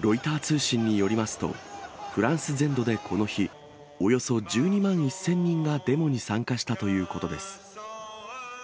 ロイター通信によりますと、フランス全土でこの日、およそ１２万１０００人がデモに参加したということです。